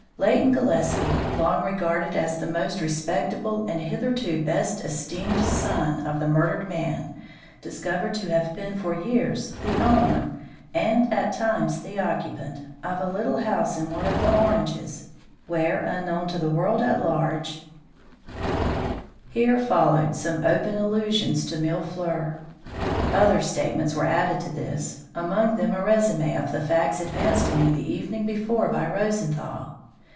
Leighton Gillespie, long regarded as the most respectable and hitherto best esteemed son of the murdered man, discovered to have been for years the owner, and at times the occupant, of a little house in one of the Oranges, where, unknown to the world at large " Here followed some open allusions to Mille fleurs. Other statements were added to this, among them a résumé of the facts advanced to me the evening before by Rosenthal.